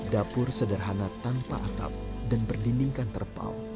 dapur sederhana tanpa atap dan berdindingkan terpal